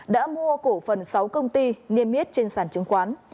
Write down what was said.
đã mua cổ phần sáu công ty nghiêm miết trên sản chứng khoán